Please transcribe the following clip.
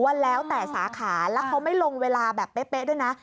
ว่าแล้วแต่สาขาแล้วเขาไม่ลงเวลาแบบเป๊ะด้วยนะ